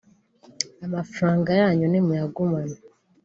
amafaranga yanyu nimuyagumane